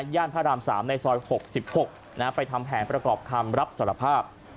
พระราม๓ในซอย๖๖ไปทำแผนประกอบคำรับสารภาพ